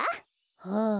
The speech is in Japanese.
はあ。